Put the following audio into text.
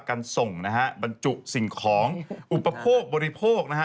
การส่งนะฮะบรรจุสิ่งของอุปโภคบริโภคนะฮะ